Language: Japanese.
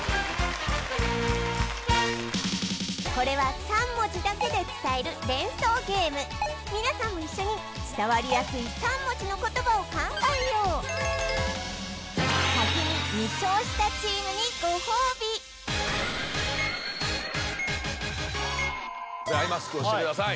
これは３文字だけで伝える連想ゲーム皆さんも一緒に伝わりやすい３文字の言葉を考えよう先に２勝したチームにご褒美アイマスクをしてください